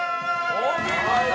お見事！